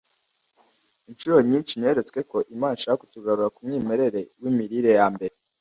Inshuro nyinshi neretswe ko Imana ishaka kutugarura ku mwimerere w’imirire ya mbere